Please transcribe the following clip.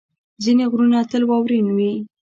ځینې غرونه تل واورین وي.